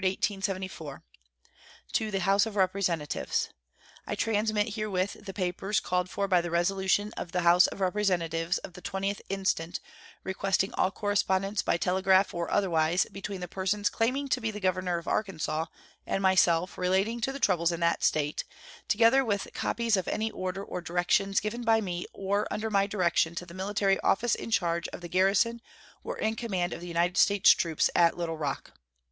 To the House of Representatives: I transmit herewith the papers called for by the resolution of the House of Representatives of the 20th instant, requesting all correspondence by telegraph or otherwise between the persons claiming to be governor of Arkansas and myself relating to the troubles in that State, together with copies of any order or directions given by me or under my direction to the military officer in charge of the garrison or in command of the United States troops at Little Rock.